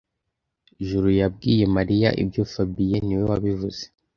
Juru yabwiye Mariya ibyo fabien niwe wabivuze